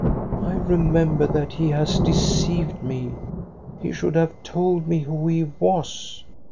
"' I remember that he .has deceived me. He should have told me who he was.'